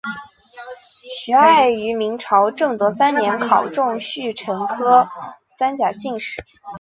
徐爱于明朝正德三年考中戊辰科三甲进士。